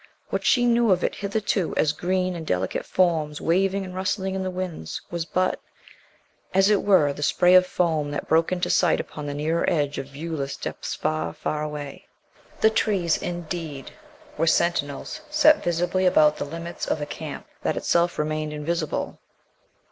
What she knew of it hitherto as green and delicate forms waving and rustling in the winds was but, as it were the spray of foam that broke into sight upon the nearer edge of viewless depths far, far away. The trees, indeed, were sentinels set visibly about the limits of a camp that itself remained invisible.